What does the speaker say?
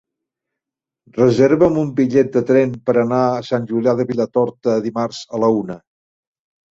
Reserva'm un bitllet de tren per anar a Sant Julià de Vilatorta dimarts a la una.